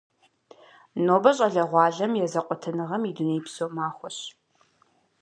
Нобэ щӏалэгъуалэм я зэкъуэтыныгъэм и дунейпсо махуэщ.